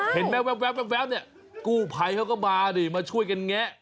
เห็นแว๊บกู้ไพเขาก็มาช่วยกันแงะ